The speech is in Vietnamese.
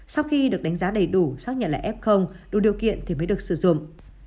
sau khi được đánh giá đầy đủ xác nhận là f đủ điều kiện thì mới được sử dụng